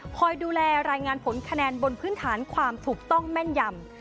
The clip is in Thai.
คอยดูแลรายงานผลคะแนนบนพื้นฐานความถูกต้องแม่นยำ